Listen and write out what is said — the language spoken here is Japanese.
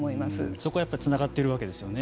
そこはつながっているわけですよね。